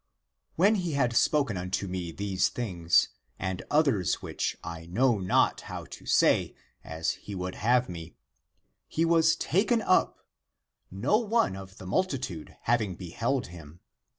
When he had spoken unto me these things, and others which I know not how to say as he would have me, he was taken up, no one of the multitude having beheld him.